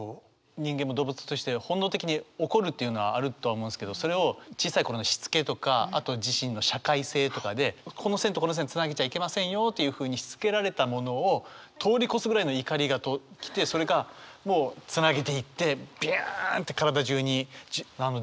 人間も動物として本能的に怒るというのはあるとは思うんですけどそれを小さい頃のしつけとかあとは自身の社会性とかでこの線とこの線をつなげちゃいけませんよというふうにしつけられたものを通り越すぐらいの怒りが来てそれがもうつなげていってびゅんって体じゅうに電気が走っていくっていうのは